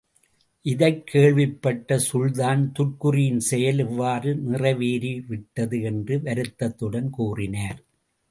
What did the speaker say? இதைக் கேள்விப்பட்ட சுல்தான், துர்க்குறியின செயல் இவ்வாறு நிறைவேறிவிட்டது என்று வருத்தத்துடன் கூறினார்.